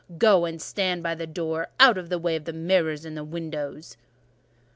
Go and stand by the door, out of the way of the mirror and the windows."